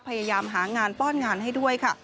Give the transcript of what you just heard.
พยายามหางานป้อนงานให้ด้วยค่ะ